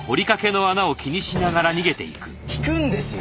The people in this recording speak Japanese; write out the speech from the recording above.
引くんですよ！